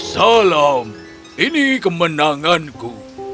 salam ini kemenanganku